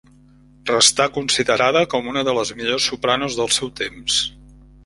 Restà considerada com una de les millors sopranos del seu temps.